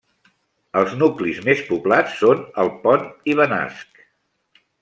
Els nuclis més poblats són el Pont i Benasc.